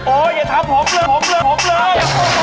โอ๊ยอย่าถามผมเลย